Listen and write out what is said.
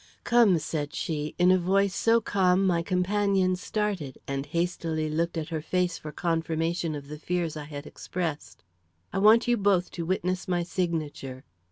"Come!" said she, in a voice so calm, my companion started and hastily looked at her face for confirmation of the fears I had expressed; "I want you both to witness my signature."